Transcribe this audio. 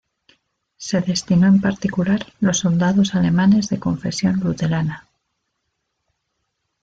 Se destinó en particular los soldados alemanes de confesión luterana.